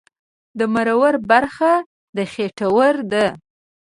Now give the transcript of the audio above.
د مرور برخه د خېټور ده